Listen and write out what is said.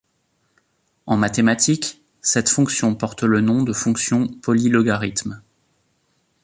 En mathématiques, cette fonction porte le nom de fonction polylogarithme.